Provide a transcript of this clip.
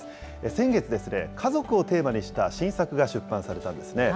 先月、家族をテーマにした新作が出版されたんですね。